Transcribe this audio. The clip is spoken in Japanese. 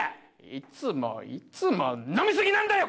いつもいつも飲み過ぎなんだよ